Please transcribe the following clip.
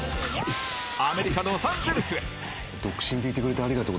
アメリカ・ロサンゼルスへ。